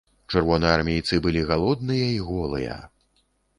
Чырвонаармейцы былі галодныя і голыя.